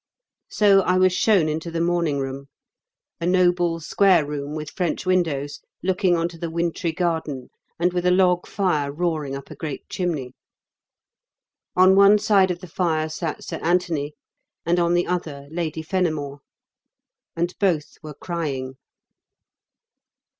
So I was shewn into the morning room a noble square room with French windows, looking on to the wintry garden, and with a log fire roaring up a great chimney. On one side of the fire sat Sir Anthony, and on the other, Lady Fenimore. And both were crying.